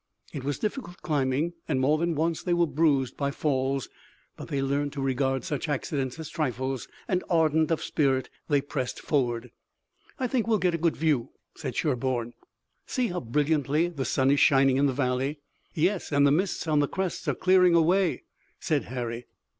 It was difficult climbing, and more than once they were bruised by falls, but they learned to regard such accidents as trifles, and ardent of spirit they pressed forward. "I think we'll get a good view," said Sherburne. "See how brilliantly the sun is shining in the valley." "Yes, and the mists on the crests are clearing away," said Harry.